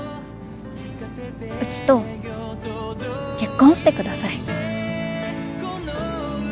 うちと結婚してください。